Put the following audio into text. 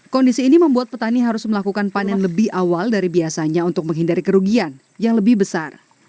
kondisi ini membuat petani harus melakukan panen lebih awal dari biasanya untuk menghindari kerugian yang lebih besar